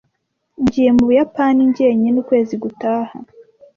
Ngiye mu Buyapani jyenyine ukwezi gutaha.